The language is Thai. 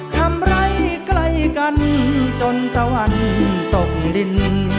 ไร้ใกล้กันจนตะวันตกดิน